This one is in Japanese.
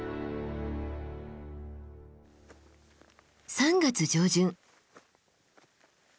３月上旬。